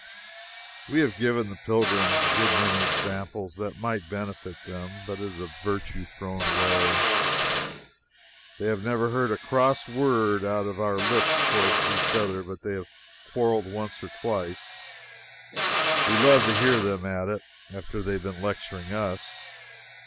We have given the pilgrims a good many examples that might benefit them, but it is virtue thrown away. They have never heard a cross word out of our lips toward each other but they have quarreled once or twice. We love to hear them at it, after they have been lecturing us.